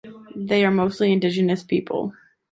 They are mostly indigenous peoples.